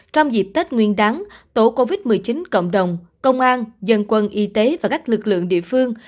trong dịp tết nguyên đáng tổ covid một mươi chín cộng đồng công an dân quân y tế và các lực lượng địa phương